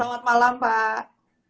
selamat malam pak